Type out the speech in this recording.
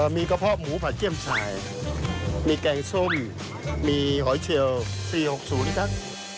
มีกระเพาะหมูผัดเจียมชายมีแกงส้มมีหอยเชียว๔๖๐ครับ